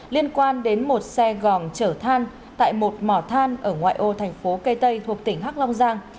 liên quan đến một xe gòn chở than tại một mỏ than ở ngoại ô thành phố kê tây thuộc tỉnh hắc long giang